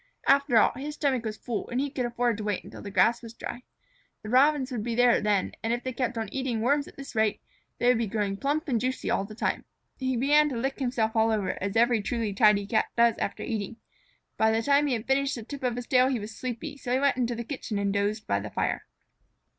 After all, his stomach was full and he could afford to wait until the grass was dry. The Robins would be there then, and if they kept on eating Worms at this rate, they would be growing plump and juicy all the time. He began to lick himself all over, as every truly tidy Cat does after eating. By the time he had finished the tip of his tail he was sleepy, so he went into the kitchen and dozed by the fire.